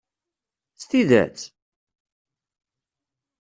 S tidett?